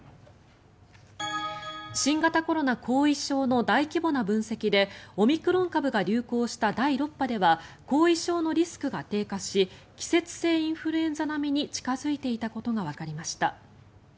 新型コロナ後遺症の大規模な分析でオミクロン株が流行した第６波では後遺症のリスクが低下し季節性インフルエンザ並みに近付いていたことがわかりました。